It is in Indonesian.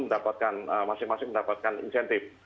mendapatkan masing masing mendapatkan insentif